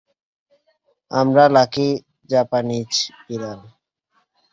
আমার lucky Japanese বিড়াল।